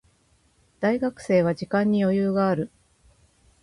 大学生は時間に余裕がある。